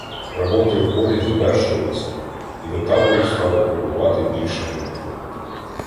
Роботи в полі завершувалися, і до табору стало прибувати більше людей.